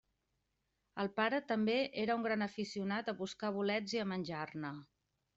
El pare també era un gran aficionat a buscar bolets i a menjar-ne.